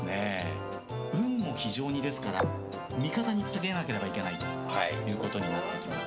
運も非常に味方につけなければいけないということになってきます。